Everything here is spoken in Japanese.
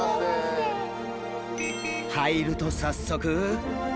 入ると早速。